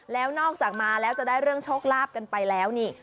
แล้วนอกจากมาแล้วจะได้เรื่องโชคลาภกันไปแล้วนี่